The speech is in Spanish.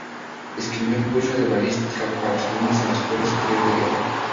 Escribió un curso de balística para los alumnos de la Escuela Superior de Guerra.